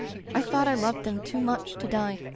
I thought I loved them too much to die.